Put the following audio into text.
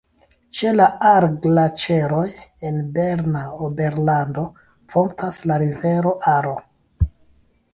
Ĉe la Ar-Glaĉeroj en Berna Oberlando fontas la rivero Aro.